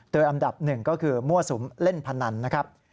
โดยอันดับหนึ่งก็คือมั่วสุมเล่นพนันนะครับ